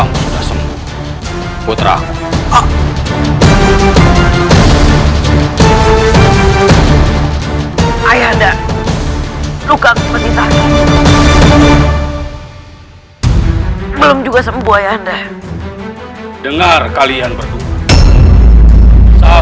menjadi pemenang ayahanda